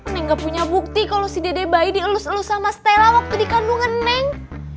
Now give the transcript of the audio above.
neng gak punya bukti kalau si dede bayi dielus elus sama stella waktu dikandungen neng